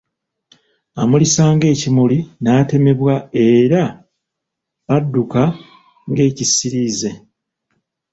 Amulisa ng'ekimuli n'atemebwa era adduka ng'ekisirize.